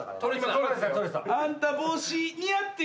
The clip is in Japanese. あんた帽子似合ってんじゃん。